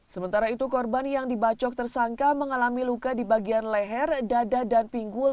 sementara itu korban yang dibacok tersangka mengalami luka di bagian leher dada dan pinggul